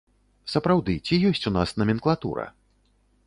Сапраўды, ці ёсць у нас наменклатура?